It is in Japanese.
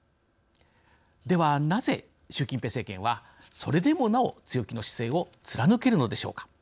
ではなぜ、習近平政権はそれでもなお強気の姿勢を貫けるのでしょうか。